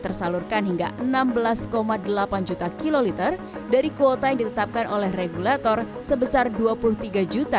tersalurkan hingga enam belas delapan juta kiloliter dari kuota yang ditetapkan oleh regulator sebesar dua puluh tiga juta